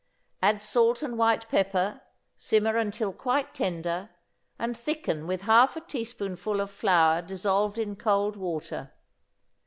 Add salt and white pepper, simmer until quite tender, and thicken with half a teaspoonful of flour dissolved in cold water.